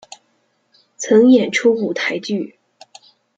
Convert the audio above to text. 曾演出舞台剧。